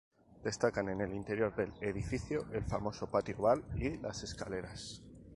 Destacan en el interior del edificio el famoso patio oval y las escaleras.